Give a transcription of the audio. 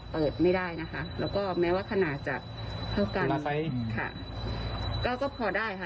เปิดไม่ได้นะคะแล้วก็แม้ว่าขนาดจะเท่ากันค่ะก็ก็พอได้ค่ะ